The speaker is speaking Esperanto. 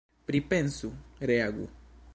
Pripensu, reagu.